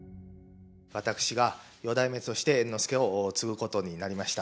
私が四代目として猿之助を継ぐことになりました。